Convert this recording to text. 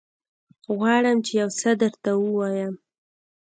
غواړم چې يوڅه درته ووايم.